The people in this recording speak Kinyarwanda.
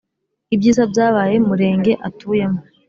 Ibyiza byabaye Murenge atuyemo.